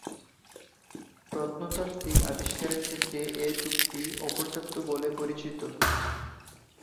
প্রত্নতাত্ত্বিক আবিষ্কারের ক্ষেত্রে এই যুগটি অপর্যাপ্ত বলে পরিচিত।